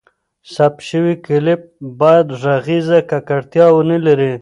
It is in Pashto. ثبت شوی کلیپ باید ږغیزه ککړتیا ونه لري.